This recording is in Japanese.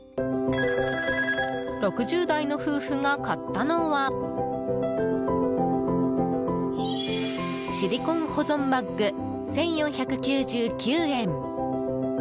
６０代の夫婦が買ったのはシリコン保存バッグ、１４９９円。